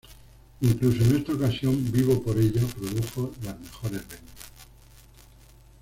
Incluso en esta ocasión "Vivo por ella" produjo las mejores ventas.